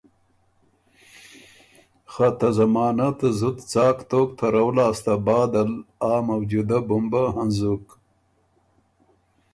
خه ته زمانه ته زُت څاک توک ترؤ لاسته بعدل آ موجودۀ بُمبه هنزُک